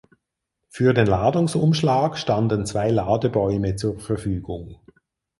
Für den Ladungsumschlag standen zwei Ladebäume zur Verfügung.